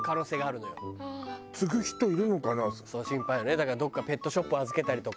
だからどこかペットショップ預けたりとか。